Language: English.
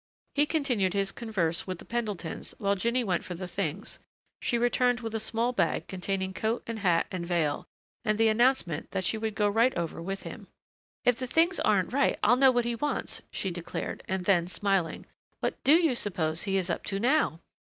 He continued his converse with the Pendletons while Jinny went for the things; she returned with a small bag containing coat and hat and veil, and the announcement that she would go right over with him. "If the things aren't right I'll know what he wants," she declared, and then, smiling, "What do you suppose he is up to now?"